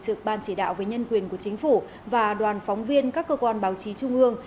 trực ban chỉ đạo về nhân quyền của chính phủ và đoàn phóng viên các cơ quan báo chí trung ương